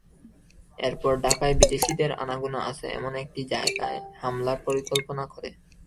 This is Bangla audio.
এরপর ঢাকায় বিদেশিদের আনাগোনা আছে এমন একটি জায়গায় হামলার পরিকল্পনা করে।